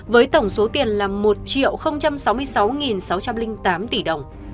với tổng số tiền là một sáu mươi sáu sáu trăm linh tám tỷ đồng